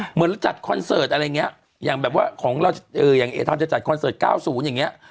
เหมือนจัดคอนเสิร์ตอะไรอย่างนี้อย่างแบบว่าของเราอย่างเอทามจะจัดคอนเสิร์ต๙๐อย่างนี้